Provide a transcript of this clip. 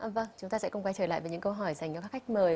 vâng chúng ta sẽ cùng quay trở lại với những câu hỏi dành cho các khách mời